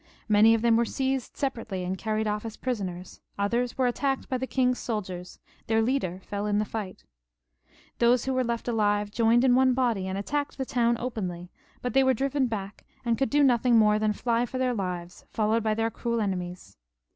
Many of them were seized separately and carried off as prisoners, others were attacked by the king's soldiers ; their leader fell in the 268 FRANCIS IL [CH. fight Those who were left alive joined in one body and attacked the town openly, but they were driven back and could do nothing more than fly from their lines, followSd by their cruel enemies.